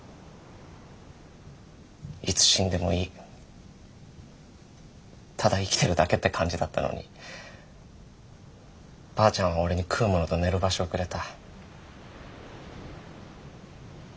いつ死んでもいいただ生きてるだけって感じだったのにばあちゃんは俺に食うものと寝る場所をくれた。